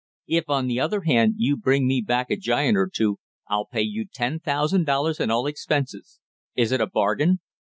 If, on the other hand, you bring me back a giant or two, I'll pay you ten thousand dollars and all expenses. Is it a bargain?"